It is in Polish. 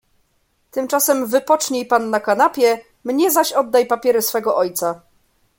"Tymczasem wypocznij pan na kanapie, mnie zaś oddaj papiery swego ojca."